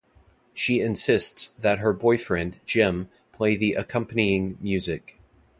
She insists that her boyfriend Jim play the accompanying music.